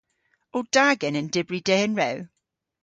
O da genen dybri dehen rew?